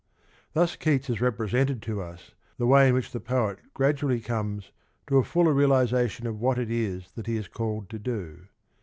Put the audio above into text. Thus Keats has represented to us the way in which the poet gradually comes to a fuller realisation of what it is that he is called to do.